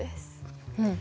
うん。